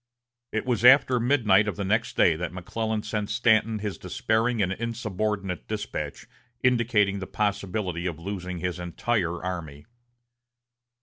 It was after midnight of the next day that McClellan sent Stanton his despairing and insubordinate despatch indicating the possibility of losing his entire army.